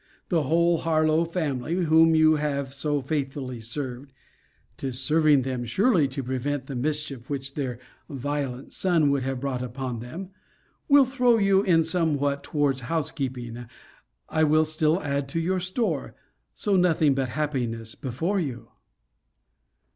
The whole Harlowe family, whom you have so faithfully served, ['tis serving them, surely, to prevent the mischief which their violent son would have brought upon them,] will throw you in somewhat towards housekeeping. I will still add to your store so nothing but happiness before you!